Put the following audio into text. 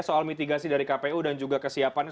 soal mitigasi dari kpu dan juga kesiapannya